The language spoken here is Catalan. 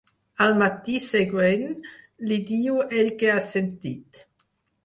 Al matí següent, li diu el què ha sentit.